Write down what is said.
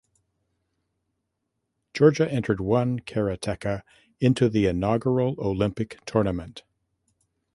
Georgia entered one karateka into the inaugural Olympic tournament.